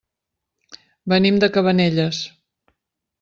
Venim de Cabanelles.